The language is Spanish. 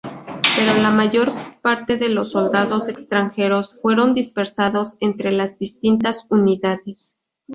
Pero la mayor parte de los soldados extranjeros fueron dispersados entre las distintas unidades.